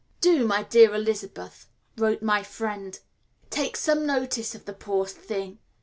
"Do, my dear Elizabeth," wrote my friend, "take some notice of the poor thing.